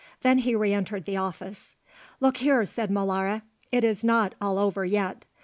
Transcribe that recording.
Then he re entered the office. "Look here," said Molara; "it is not all over yet."